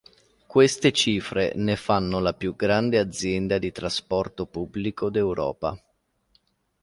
Queste cifre ne fanno la più grande azienda di trasporto pubblico d'Europa.